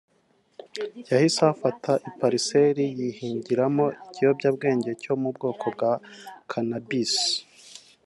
yahise ahafata ipariseli (parcelle) yihingiramo ikiyobyabwenge cyo mu bwoko bwa Cannabis